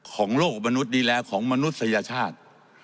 ของโลกมนุษย์ดีแล้วของมนุษยชาติ